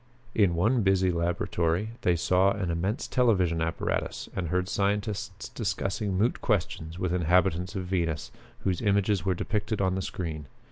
In one busy laboratory they saw an immense television apparatus and heard scientists discussing moot questions with inhabitants of Venus, whose images were depicted on the screen.